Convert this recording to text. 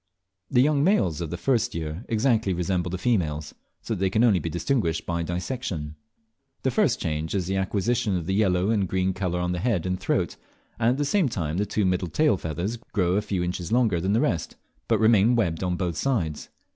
The young males of the first year exactly resemble the females, so that they can only be distinguished by dissection. The first change is the acquisition of the yellow and green colour on the head and throat, and at the same time the two middle tail feathers grow a few inches longer than the rest, but remain webbed on both sides.